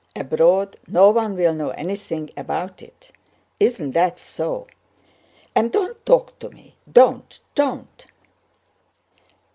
Abroad no one will know anything about it. Isn't that so? And don't talk to me, don't, don't."